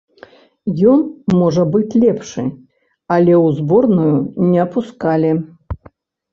Ён можа быць лепшы, але ў зборную не пускалі.